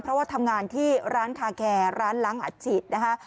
เพราะว่าทำงานที่ร้านคาแคร์ร้านล้างอัดฉีดนะคะ